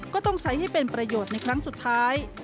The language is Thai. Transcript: ก็ต้องใช้ให้เป็นประโยชน์ในครั้งสุดท้าย